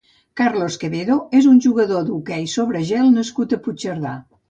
Carlos Quevedo és un jugador d'hoquei sobre gel nascut a Puigcerdà.